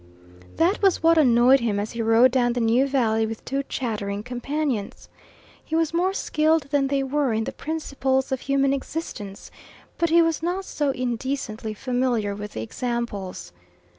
That was what annoyed him as he rode down the new valley with two chattering companions. He was more skilled than they were in the principles of human existence, but he was not so indecently familiar with the examples.